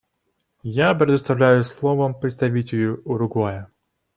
Я предоставляю слово представителю Уругвая.